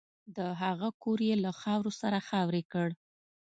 د هغه کور یې له خاورو سره خاورې کړ